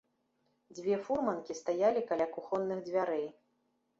Дзве фурманкі стаялі каля кухонных дзвярэй.